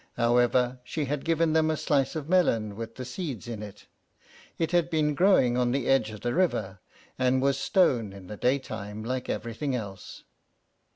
However, she had given them a slice of melon with the seeds in it. It had been growing on the edge of the river, and was stone in the day time, like everything else.